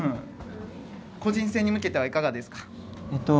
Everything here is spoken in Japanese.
個人戦に向けてはいかがですか。